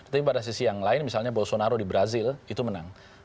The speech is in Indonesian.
tapi pada sisi yang lain misalnya bolsonaro di brazil itu menang